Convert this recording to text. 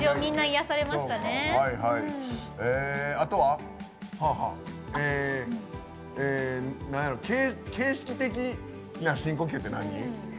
あとは「形式的な深呼吸」って何？